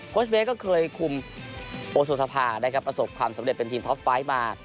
โค้ชเบ๊กก็เคยคุมโปสุทธภาคได้ครับประสบความสำเร็จเป็นทีมท็อปไฟต์มา